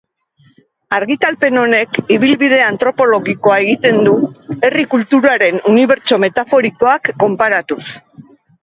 Argitalpen honek ibilbide antropologikoa egiten du, herri kulturaren unibertso metaforikoak konparatuz.